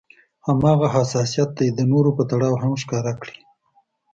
هماغه حساسيت دې د نورو په تړاو هم ښکاره کړي.